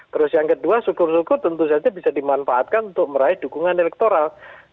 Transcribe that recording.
terus yang kedua syukur syukur tentu saja bisa dimanfaatkan untuk meraih dukungan elektoral